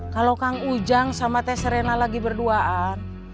kalau kang ujang sama teh serena lagi berduaan